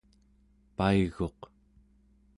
paiguq